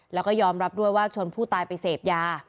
แล้วก็ยอมรับด้วยว่าชนผู้ตายไปเสพยา